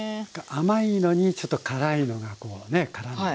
甘いのにちょっと辛いのがこうねからんでね。